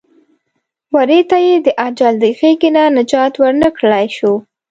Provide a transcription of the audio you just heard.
وري ته یې د اجل د غېږې نه نجات ور نه کړلی شو.